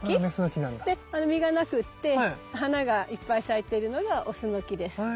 で実が無くって花がいっぱい咲いてるのがオスの木です。